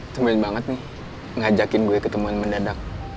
temen banget nih ngajakin gue ketemu andi